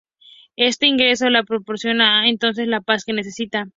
Este ingreso le proporciona entonces la paz que necesita.